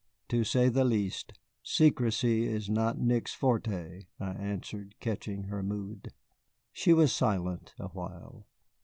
"To say the least, secrecy is not Nick's forte," I answered, catching her mood. She was silent awhile.